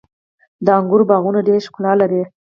• د انګورو باغونه ډېره ښکلا لري.